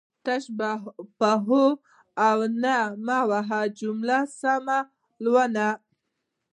تش په هو او نه مه وهه جمله سمه لوله